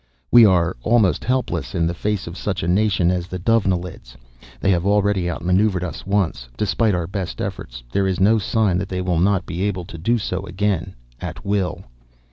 "We are almost helpless in the face of such a nation as the Dovenilids. They have already outmaneuvered us once, despite our best efforts. There is no sign that they will not be able to do so again, at will.